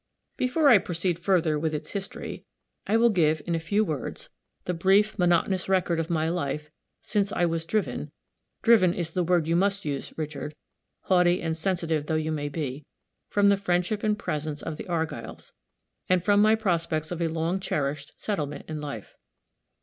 Before I proceed further with its history, I will give, in a few words, the brief, monotonous record of my life, since I was driven driven is the word you must use, Richard, haughty and sensitive though you may be from the friendship and presence of the Argylls, and from my prospects of a long cherished settlement in life.